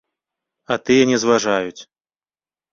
А тыя не зважаюць.